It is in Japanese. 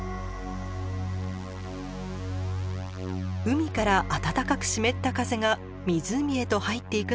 海から暖かく湿った風が湖へと入っていくのが分かります。